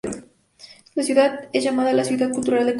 La ciudad es llamada la "Ciudad Cultural de Córdoba".